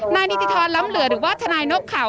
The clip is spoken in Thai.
นิติธรรมล้ำเหลือหรือว่าทนายนกเขา